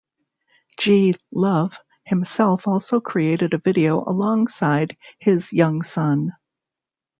G Love himself also created a video alongside his young son.